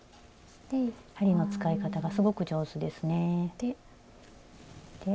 針の使い方がすごく上手ですね。